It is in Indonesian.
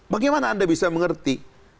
bagaimana anda bisa mengerti